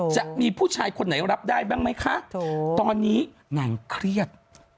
จะมีผู้ชายคนไหนรับได้บ้างไหมคะตอนนี้นางเครียด